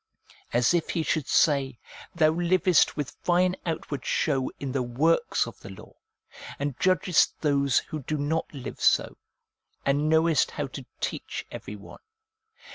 As if he should say, ' Thou livest with fine out ward show in the works of the law, and judgest those who do not live so, and knowest how to teach every one.